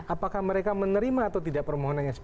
apakah mereka menerima atau tidak permohonannya